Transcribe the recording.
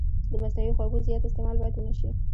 د مصنوعي خوږو زیات استعمال باید ونه شي.